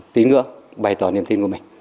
tí nữa bày tỏ niềm tin của mình